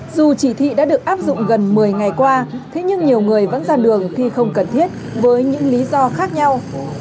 dù chỉ thị đã được áp dụng gần một mươi ngày qua thế nhưng nhiều người vẫn ra đường khi không cần thiết với những lý do khác nhau